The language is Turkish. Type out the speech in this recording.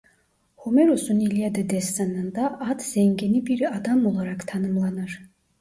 Homeros'un İlyada Destanı'nda at zengini bir adam olarak tanımlanır.